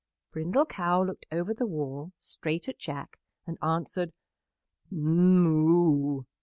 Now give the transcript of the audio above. Brindle Cow looked over the wall straight at Jack and answered, "Mo o o."